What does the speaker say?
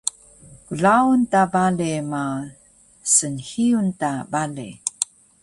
Klaun ta bale ma snhiyun ta bale